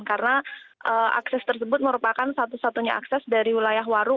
karena akses tersebut merupakan satu satunya akses dari wilayah waru